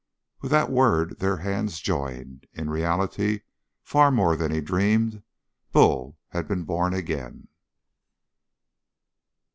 With that word their hands joined. In reality, far more than he dreamed, Bull had been born again.